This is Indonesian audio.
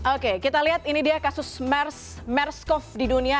oke kita lihat ini dia kasus mers cov di dunia